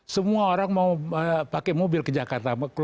semua orang mau pakai mobil ke jakarta